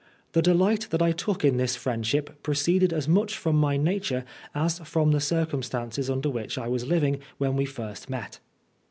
The delight that I took in this friendship proceeded as much from my nature as from the circumstances under which I was living when we first met.